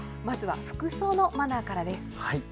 まずは服装のマナーからです。